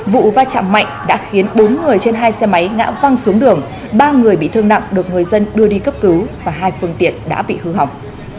vụ va chạm mạnh đã khiến bốn người trên hai xe máy ngã văng xuống đường ba người bị thương nặng được người dân đưa đi cấp cứu và hai phương tiện đã bị hư hỏng